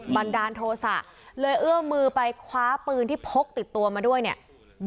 บันดาลโทษะเลยเอื้อมือไปคว้าปืนที่พกติดตัวมาด้วยเนี่ย